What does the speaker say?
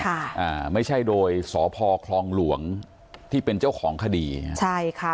อ่าไม่ใช่โดยสพคลองหลวงที่เป็นเจ้าของคดีใช่ค่ะ